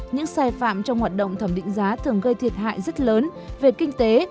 những sai phạm trong hoạt động thẩm định giá thường gây thiệt hại rất lớn về kinh tế